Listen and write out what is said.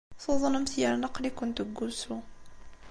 Tuḍnemt yerna aql-ikent deg wusu.